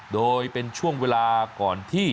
โดยเป็นช่วงเวลาก่อนที่